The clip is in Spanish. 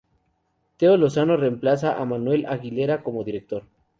Teo Lozano remplaza a Manuel Aguilera como director.